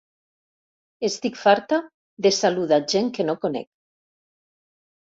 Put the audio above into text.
Estic farta de saludar gent que no conec.